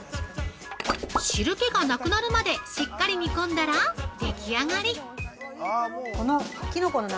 ◆汁気がなくなるまでしっかり煮込んだら出来上がり！